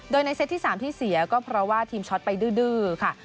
โดยในเซตที่๓ที่เสียก็เพราะว่าทีมช็อตไปดื้อค่ะ